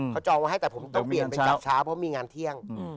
เขาจองไว้ให้แต่ผมต้องเปลี่ยนเป็นจากเช้าเพราะมีงานเที่ยง